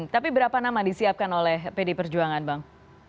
tapi berapa nama disiapkan oleh pd perjuangan bang